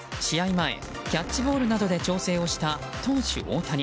前、キャッチボールなどで調整をした投手・大谷。